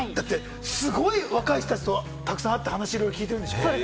だってすごい若い人たちとたくさん会って話を聞いてるんでしょ？